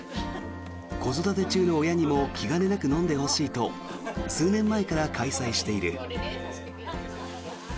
子育て中の親にも気兼ねなく飲んでほしいと数年前から開催している。